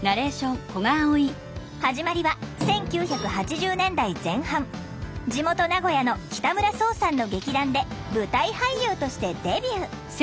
始まりは１９８０年代前半地元名古屋の北村想さんの劇団で舞台俳優としてデビュー。